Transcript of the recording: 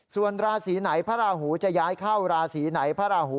ส่วนราศรีไหนพระหูจะย้ายเข้าราศรีไหน